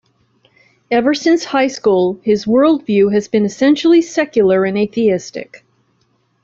Ever since high school, his worldview has been essentially secular and atheistic.